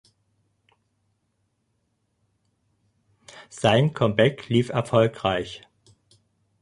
Sein Comeback lief erfolgreich.